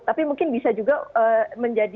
tapi mungkin bisa juga menjadi